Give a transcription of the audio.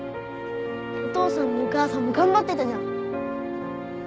お父さんもお母さんも頑張ってたじゃん。